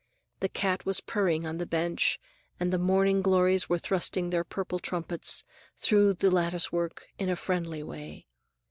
The cat was purring on the bench and the morning glories were thrusting their purple trumpets in through the lattice work in a friendly way.